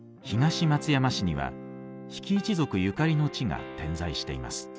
東松山市には比企一族ゆかりの地が点在しています。